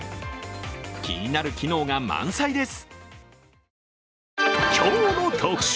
気になる機能が満載です。